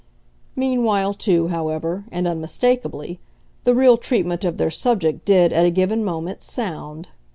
Meanwhile too, however, and unmistakably, the real treatment of their subject did, at a given moment, sound.